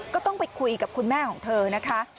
ก็ต้องไปคุยกับคุณแม่ของเธอนะคะ